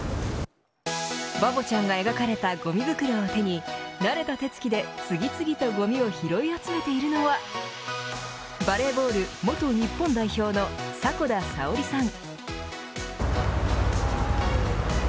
バボちゃんが描かれたごみ袋を手に慣れた手つきで次々とごみを拾い集めているのはバレーボール元日本代表の迫田さおりさん。